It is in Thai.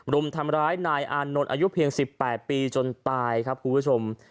รุมทำร้ายนายอานนท์อายุเพียง๑๘ปีจนตายครับคุณผู้ชม